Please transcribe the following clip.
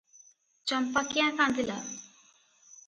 ଚମ୍ପା କ୍ୟାଁ କାନ୍ଦିଲା?